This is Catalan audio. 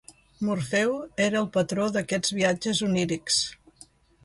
Morfeu era el patró d'aquests viatges onírics.